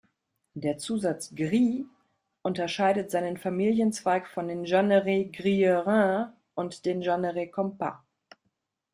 Der Zusatz Gris unterscheidet seinen Familienzweig von den Jeanneret-Grieurin und den Jeanneret-Compas.